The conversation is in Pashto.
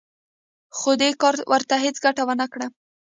خو دې کار ورته هېڅ ګټه ونه کړه